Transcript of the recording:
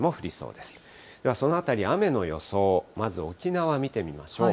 ではそのあたり、雨の予想をまず沖縄見てみましょう。